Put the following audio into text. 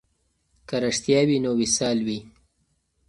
که رښتیا وي نو وصال وي.